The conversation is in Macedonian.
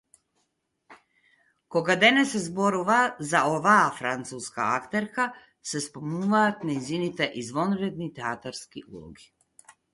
Кога денес се зборува за оваа француска актерка, се спомнуваат нејзините извонредни театарски улоги.